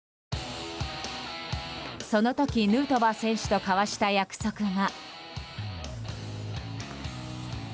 その時、ヌートバー選手と交わした約束が。